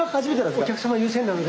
お客様優先なので。